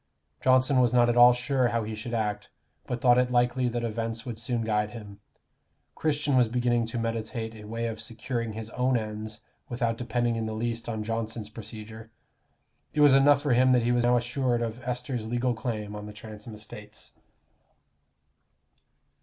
Johnson was not at all sure how he should act, but thought it likely that events would soon guide him. Christian was beginning to meditate a way of securing his own ends without depending in the least on Johnson's procedure. It was enough for him that he was now assured of Esther's legal claim on the Transome estates.